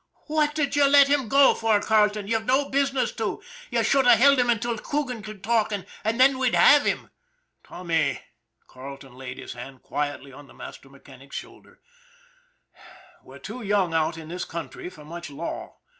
" What did you let him go for, Carleton? You'd no business to. You should GUARDIAN OF THE DEVIL'S SLIDE 171 have held him until Coogan could talk, and then we'd have had him." " Tommy " Carleton laid his hand quietly on the master mechanic's shoulder " we're too young out in this country for much law.